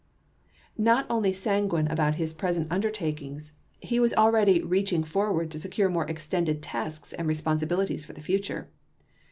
Not only sanguine about his present undertakings, he was already reaching forward to secure more extended tasks and responsibilities for the future.